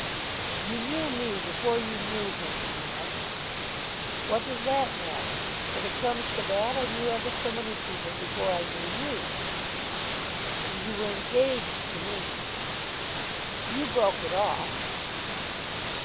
"You knew me before you knew him, you know." "What does that matter? If it comes to that, I knew ever so many people before I knew you." "And you were engaged to me." "You broke it off."